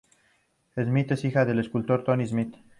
Smith es hija del escultor Tony Smith.